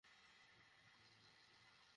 মারবেন না, ব্যাথা লাগে।